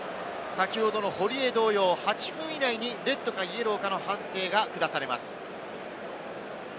先ほどの堀江同様、８分以内にレッドがイエローかの判定がくだされます。